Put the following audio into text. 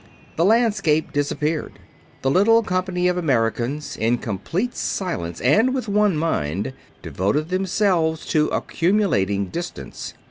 The landscape disappeared. The little company of Americans, in complete silence and with one mind, devoted themselves to accumulating distance.